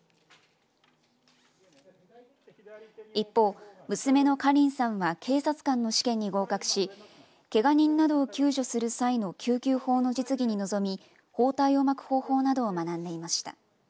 一方、娘の花梨さんは警察官の試験に合格しけが人などを救助する際の救急法の実技に臨み包帯を巻く方法などを学んでいました。